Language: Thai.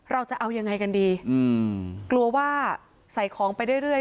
เราจะเอายังไงกันดีอืมกลัวว่าใส่ของไปเรื่อย